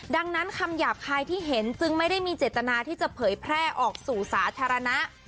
ดังนั้นคำหยาบคายที่เห็นจึงไม่ได้มีเจตนาที่จะเผยแพร่ออกสู่สาธารณะ